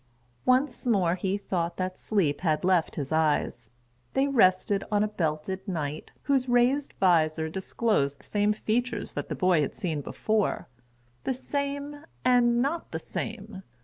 Once more he thought that sleep had left his eyes; they rested on a[Pg 22] belted knight, whose raised visor disclosed the same features that the boy had seen before—the same, and not the same.